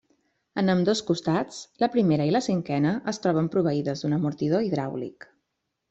En ambdós costats, la primera i la cinquena es troben proveïdes d'un amortidor hidràulic.